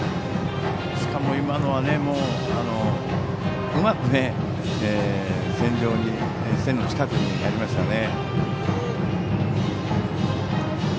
しかも今のはうまく線の近くにやりましたね。